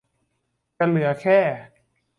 จะเหลือแค่